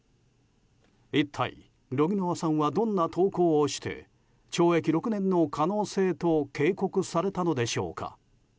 一体、ロギノワさんはどんな投稿をして懲役６年の可能性と警告されたのでしょうか。